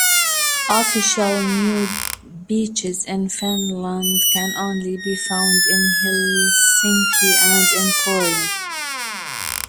Official nude beaches in Finland can only be found in Helsinki and in Pori.